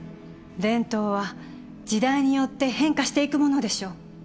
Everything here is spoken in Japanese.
伝統は時代によって変化していくものでしょう？